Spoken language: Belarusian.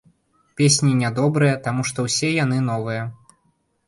Песні не добрыя, таму што ўсе яны новыя.